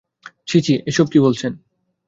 ছিঃ ছিঃ এসব কি বলছেন?